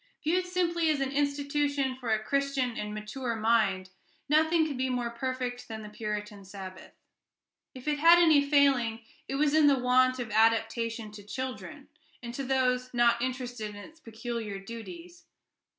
Viewed simply as an institution for a Christian and mature mind, nothing could be more perfect than the Puritan Sabbath: if it had any failing, it was in the want of adaptation to children, and to those not interested in its peculiar duties.